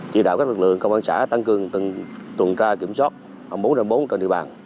chỉ đạo các lực lượng công an xã tăng cường từng tuần tra kiểm soát bốn r bốn trên địa bàn